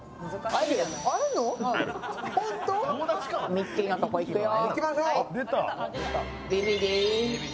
ミッキーのとこ、行くよ。